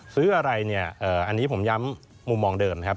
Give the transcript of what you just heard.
ซื้ออะไรเนี่ยอันนี้ผมย้ำมุมมองเดิมครับ